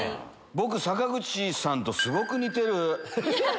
僕坂口さんとすごく似てる。